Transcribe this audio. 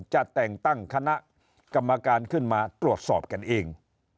จะแต่งตั้งคณะกรรมการขึ้นมาตรวจสอบกันเอง